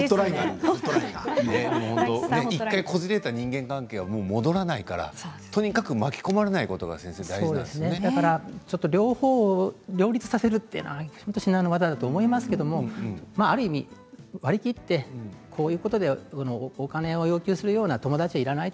一度こじれた人間関係は戻らないから、とにかく巻き込まれないことが両立させるのは至難の業だと思いますけれどもある意味、割り切ってこういうことでお金を要求する友達はいらない